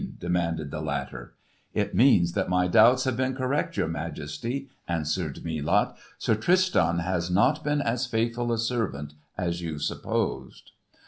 demanded the latter. "It means that my doubts have been correct, your Majesty!" answered Melot. "Sir Tristan has not been as faithful a servant as you supposed!"